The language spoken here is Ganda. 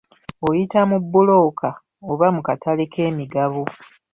Oyita mu bbulooka oba mu katale k'emigabo.